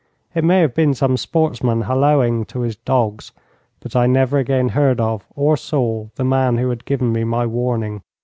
It may have been some sportsman halloaing to his dogs, but I never again heard of or saw the man who had given me my warning.